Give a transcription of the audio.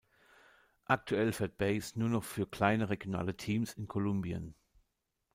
Aktuell fährt Baez nur noch für kleine regionale Teams in Kolumbien.